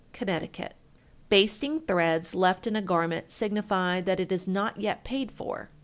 Connecticut. 1380. Basting threads left in a garment signify that it is not yet paid for.